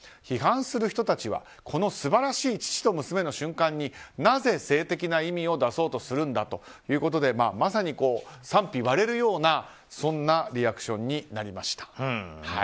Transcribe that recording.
批判する人たちはこの素晴らしい父と娘の瞬間になぜ性的な意味を出そうとするんだということでまさに賛否割れるようなリアクションになりました。